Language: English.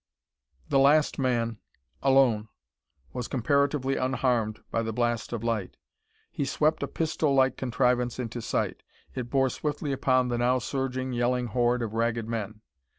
The last man, alone, was comparatively unharmed by the blast of light. He swept a pistol like contrivance into sight. It bore swiftly upon the now surging, yelling horde of Ragged Men.